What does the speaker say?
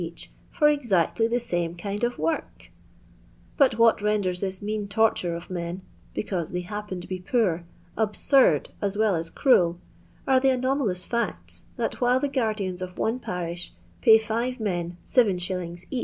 each, for exactly the same kind of work III But what renders this mean torture of men (because they happen to be poor) absurd as well as cruel, are the anomaloue facts, that whilst the guardians of one parish pay 5 men 7s.